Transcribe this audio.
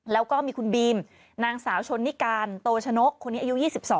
แล้วก็มีคุณบีมนางสาวชนนิการโตชนกคนนี้อายุ๒๒